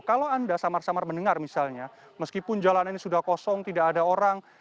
kalau anda samar samar mendengar misalnya meskipun jalan ini sudah kosong tidak ada orang